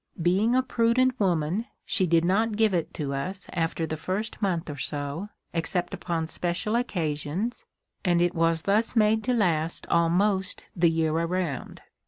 Being a prudent woman, she did not give it to us after the first month or so, except upon special occasions, and it was thus made to last almost the year around.